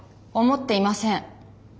思っていません。